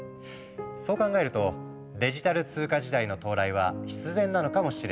そう考えるとデジタル通貨時代の到来は必然なのかもしれないね。